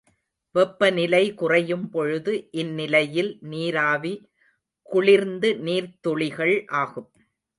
வெப்பநிலை குறையும்பொழுது இந்நிலையில் நீராவி குளிர்ந்து நீர்த்துளிகள் ஆகும்.